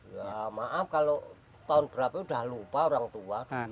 ya maaf kalau tahun berapa udah lupa orang tua